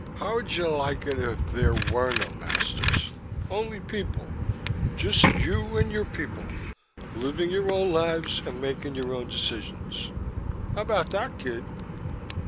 "How would you like it if there were no masters? Only people, just you and your people, living your own lives and making your own decisions? How about that, kid?"